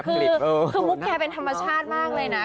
คือมุกแกเป็นธรรมชาติมากเลยนะ